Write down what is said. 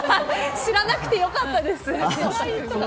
知らなくて良かったです。